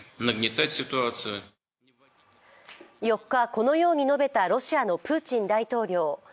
４日、このように述べたロシアのプーチン大統領。